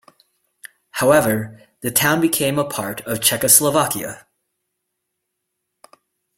However, the town became a part of Czechoslovakia.